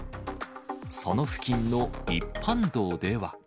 その付近の一般道では。